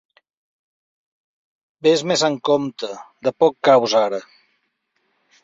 Ves més amb compte: de poc caus, ara.